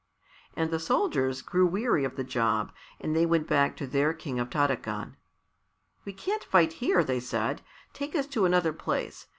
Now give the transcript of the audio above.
And the soldiers grew weary of the job and they went back to their King of Tarakan. "We can't fight here," they said; "take us to another place.